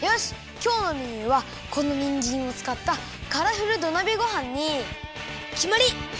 きょうのメニューはこのにんじんをつかったカラフル土鍋ごはんにきまり！